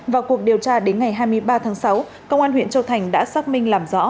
vào cuộc điều tra đến ngày hai mươi ba tháng sáu công an huyện châu thành đã xác minh làm rõ